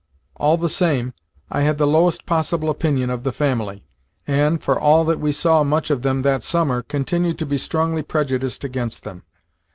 All the same, I had the lowest possible opinion of the family, and, for all that we saw much of them that summer, continued to be strongly prejudiced against them.